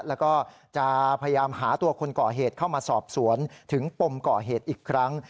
แล้วก็จะพยายามหาตัวคนก่อเหตุเข้ามาสอบสวนถึงปมก่อเหตุอีกครั้ง